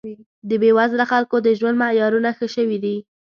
د بې وزله خلکو د ژوند معیارونه ښه شوي دي